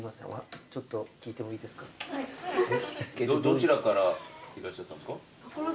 どちらからいらっしゃったんですか？